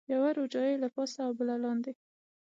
یوه روجایۍ له پاسه او بله لاندې.